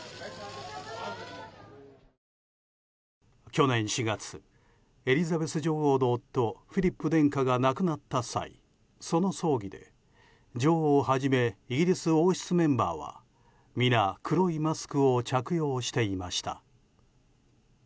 去年４月、エリザベス女王の夫フィリップ殿下が亡くなった際その葬儀で女王をはじめイギリス王室メンバーは皆、黒いマスクを着用していました。